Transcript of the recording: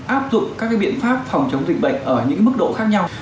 áp dụng các biện pháp phòng chống dịch bệnh ở những mức độ khác nhau